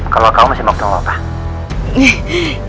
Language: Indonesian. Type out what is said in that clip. kalau kau masih mau ketemu pak